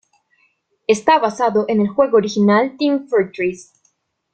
Está basado en el juego original Team Fortress.